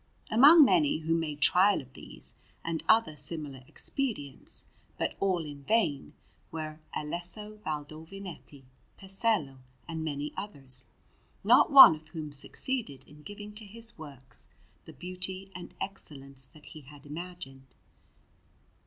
Among many who made trial of these and other similar expedients, but all in vain, were Alesso Baldovinetti, Pesello, and many others, not one of whom succeeded in giving to his works the beauty and excellence that he had imagined.